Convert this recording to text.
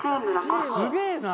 すげえな。